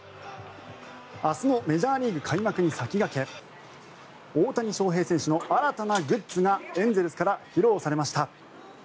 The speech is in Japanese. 明日のメジャーリーグ開幕に先駆け大谷翔平選手の新たなグッズがエンゼルスから披露されました。